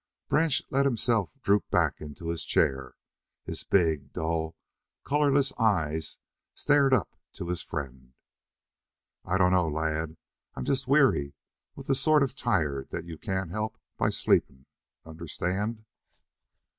Branch let himself droop back into his chair. His big, dull, colorless eyes stared up to his friend. "I dunno, lad. I'm just weary with the sort of tired that you can't help by sleepin'. Understand?"